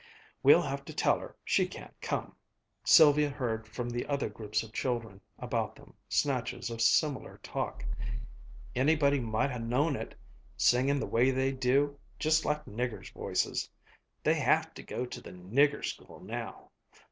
"We'll have to tell her she can't come." Sylvia heard from the other groups of children about them snatches of similar talk. "Anybody might ha' known it singin' the way they do just like niggers' voices." "They'll have to go to the nigger school now."